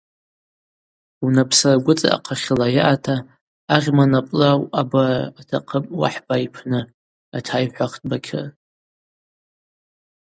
Унапӏсаргвыцӏа ахъахьыла йаъата агъьманапӏла уъабара атахъыпӏ уахӏба йпны, – атайхӏвахтӏ Бакьыр.